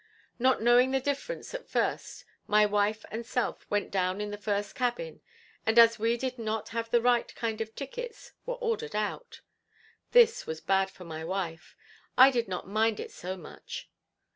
Not knowing the difference at first my wife and self went down in the first cabin and as we did not have the right kind of tickets, were ordered out. This was bad for my wife; I did not mind it so much.